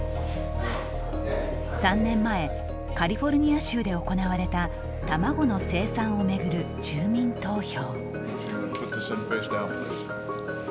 ３年前カリフォルニア州で行われた卵の生産を巡る住民投票。